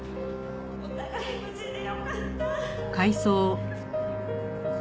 お互い無事でよかった！